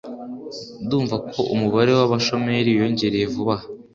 Ndumva ko umubare w'abashomeri wiyongereye vuba aha